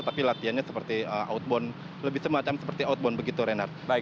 tapi latihannya seperti outbound lebih semacam seperti outbound begitu renard